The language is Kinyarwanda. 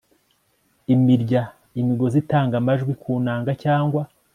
imirya imigozi itanga amajwi ku nanga cyangwa